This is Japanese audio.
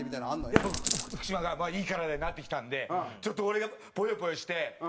やっぱ福島がいい体になってきたんでちょっと俺がぽよぽよして。